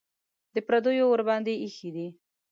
د پردیو ورباندې ایښي دي.